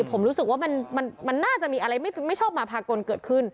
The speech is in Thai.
ผมรู้สึกว่ามันน่าจะมีอะไรไม่ชอบมาพากลเกิดขึ้น